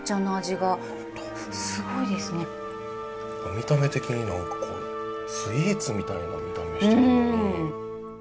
見た目的に何かスイーツみたいな見た目してるのに。